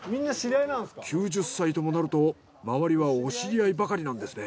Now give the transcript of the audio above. ９０歳ともなると周りはお知り合いばかりなんですね。